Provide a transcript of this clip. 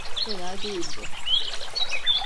Fena değildi.